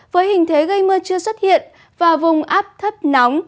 với hình thế gây mưa chưa xuất hiện và vùng áp thấp nóng